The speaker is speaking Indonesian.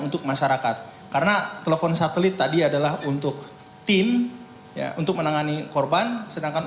untuk masyarakat karena telepon satelit tadi adalah untuk tim untuk menangani korban sedangkan